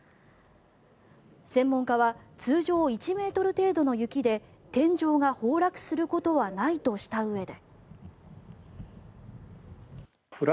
専門家は通常、１ｍ程度の雪で天井が崩落することはないとしたうえで。